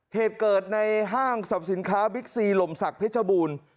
เหตุเกิดในห้างสรรพสินค้าบิ๊กซีหล่มศักดิ์เพชรบูรณ์